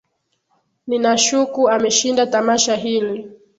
Ninashuku ameshinda tamasha hili